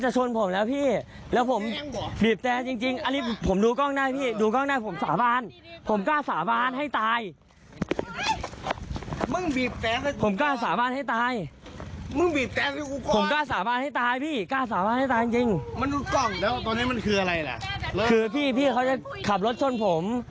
ตอนนี้มันคืออะไรล่ะคือพี่พี่เขาจะขับรถชนผม